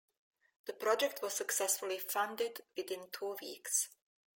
The project was successfully funded within two weeks.